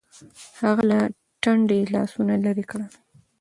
هغه له ټنډې لاسونه لرې کړل. .